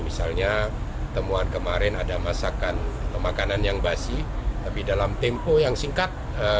misalnya temuan kemarin ada masakan makanan yang basi tapi dalam tempo yang singkat